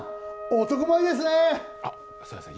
男前ですね。